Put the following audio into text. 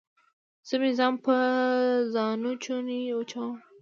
زه مې ځان په ځانوچوني وچوم